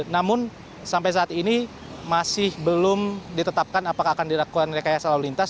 namun sampai saat ini masih belum ditetapkan apakah akan dilakukan rekayasa lalu lintas